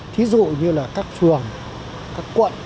thí dụ như là các phường các quận